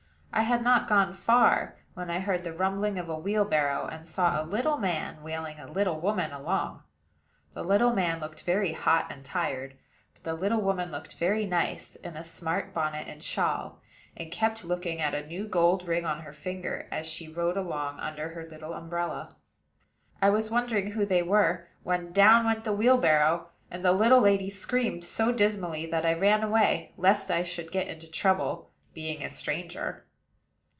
I had not gone far, when I heard the rumbling of a wheelbarrow, and saw a little man wheeling a little woman along. The little man looked very hot and tired; but the little woman looked very nice, in a smart bonnet and shawl, and kept looking at a new gold ring on her finger, as she rode along under her little umbrella. I was wondering who they were, when down went the wheelbarrow; and the little lady screamed so dismally that I ran away, lest I should get into trouble, being a stranger.